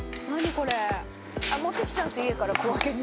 これ持ってきたんです